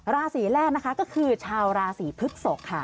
ราศีแรกนะคะก็คือชาวราศีพฤกษกค่ะ